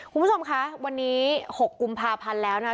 คุณผู้ชมคะวันนี้๖กุมภาพันธ์แล้วนะคะ